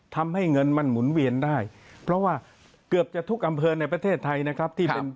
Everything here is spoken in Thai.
ทำให้เงินมันหมุนเวียนได้เพราะว่าเกือบจะทุกอำเภอในประเทศไทยนะครับที่เป็น